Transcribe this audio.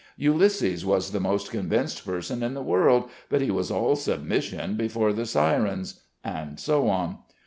Ulysses was the most convinced person in the world, but he was all submission before the Syrens, and so on.